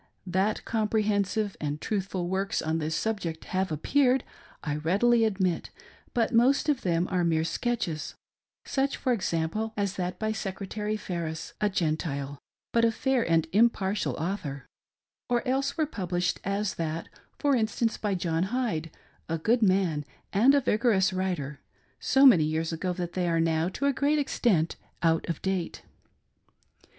That comprehensive and truthful works on this subject have appeared, I readily admit, but most of them are mere sketches :— such, for example, as that by Secretary Ferris — a Gentile, but a fair and impartial author ;— or else were pub lished— as that, for instance, by John Hyde, a good man and a vigorous writer — so many years ago that they are now, to a great extent, out of date.